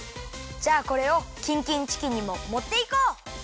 じゃあこれをキンキンチキンにももっていこう！